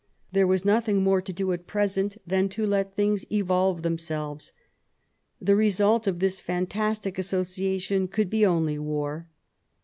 There was nothing more to do at present than to let things evolve themselves. The result of this fan tastic association could be only war.